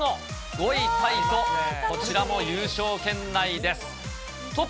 ５位タイと、こちらも優勝圏内です。